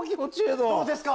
どうですか？